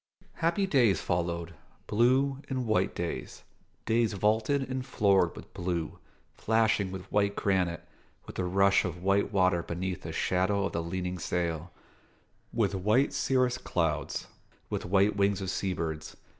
Happy days followed: blue and white days days vaulted and floored with blue, flashing with white granite, with the rush of white water beneath the shadow of the leaning sail, with white cirrus clouds, with white wings of seabirds.